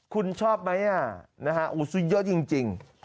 คุณชอบไหมอ่ะนะฮะอุ้ยซวยเยอะจริง